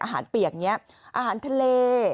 อาหารเปียกอย่างนี้อาหารทะเล